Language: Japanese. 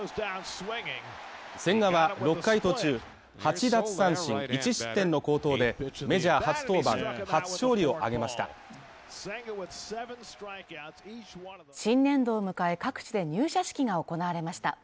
千賀は６回途中８奪三振１失点の好投でメジャー初登板、初勝利をあげました新年度を迎え各地で入社式が行われました。